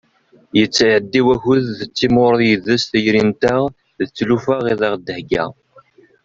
Yettɛeddi wakud tettimɣur yid-s tayri-nteɣ d tlufa i aɣ-d-thegga.